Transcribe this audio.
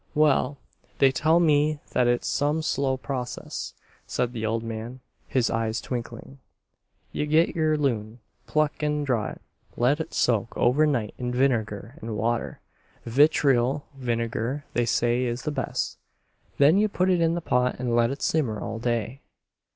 "Well, they tell me thet it's some slow process," said the old man, his eyes twinkling. "Ye git yer loon, pluck an' draw it, let it soak overnight in vinegar an' water, vitriol vinegar they say is the best. Then ye put it in the pot an' let it simmer all day."